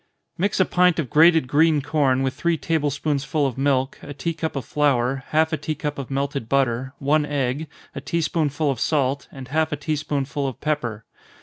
_ Mix a pint of grated green corn with three table spoonsful of milk, a tea cup of flour, half a tea cup of melted butter, one egg, a tea spoonful of salt, and half a tea spoonful of pepper.